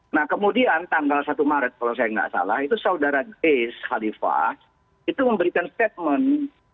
nah kemudian tanggal satu maret kalau saya nggak salah itu saudara grace khalifah itu memberikan statement